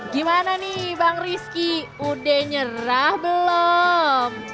gimana nih bang rizky udah nyerah belum